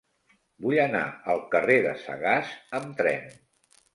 Vull anar al carrer de Sagàs amb tren.